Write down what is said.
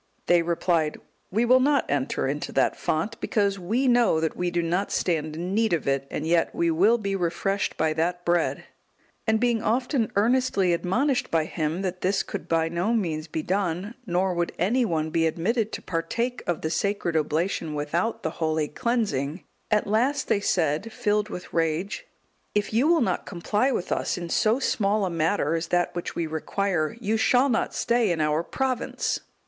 They replied, "We will not enter into that font, because we know that we do not stand in need of it, and yet we will be refreshed by that bread." And being often earnestly admonished by him, that this could by no means be done, nor would any one be admitted to partake of the sacred Oblation without the holy cleansing, at last, they said, filled with rage, "If you will not comply with us in so small a matter as that which we require, you shall not stay in our province."